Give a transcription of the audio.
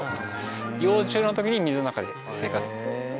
幼虫の時に水の中で生活。